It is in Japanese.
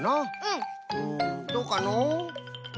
んどうかのう？